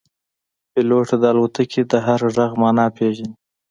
پیلوټ د الوتکې د هر غږ معنا پېژني.